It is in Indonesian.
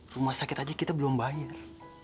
rumah sakit aja kita belum bayar